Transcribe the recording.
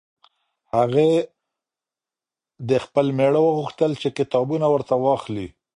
هغې ه خپل مېړه وغوښتل چې کتابونه ورته واخلي.